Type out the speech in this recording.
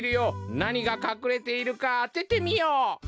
なにがかくれているかあててみよう！